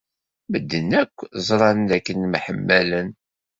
Medden akk ẓran dakken mḥemmalen.